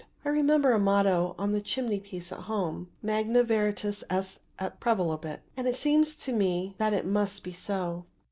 I remember a motto on the chimney piece at home, 'Magna veritas est et prevalebit,' and it seems to me that it must be so.